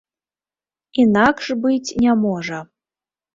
Інакш быць не можа.